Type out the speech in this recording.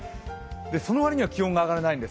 その割には気温が上がらないんです。